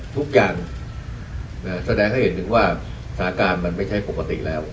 ทุกอย่างแสดงให้เห็นถึงว่าสถานการณ์มันไม่ใช่ปกติแล้ว